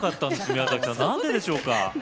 宮崎さんなんででしょうか？